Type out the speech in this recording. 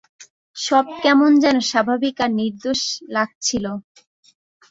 সব কেমন যেন স্বাভাবিক আর নির্দোষ লাগছিল।